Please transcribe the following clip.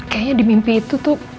kayaknya di mimpi itu tuh